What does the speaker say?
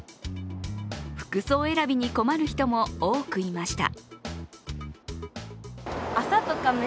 服装選びに困る人も多くいました。